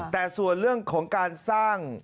แต่ส่วนเรื่องของการสร้าง